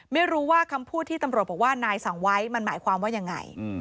ไม่รู้ว่าคำพูดที่ตำรวจบอกว่านายสั่งไว้มันหมายความว่ายังไง